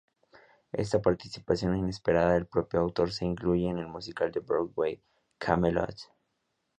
Esta participación inesperada del propio autor se incluye en el musical de Broadway "Camelot".